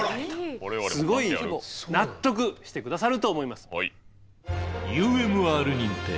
すごい納得して下さると思います。